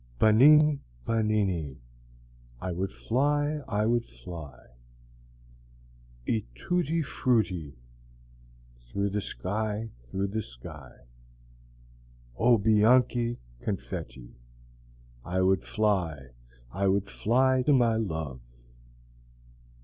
Bananni, bananni, I would fly, I would fly, E tutti frutti Through the sky, through the sky, O bianchi confetti! I would fly, I would fly to my love!